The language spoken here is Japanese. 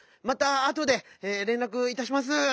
またあとでれんらくいたします。